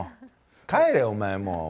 帰れよ、お前もう。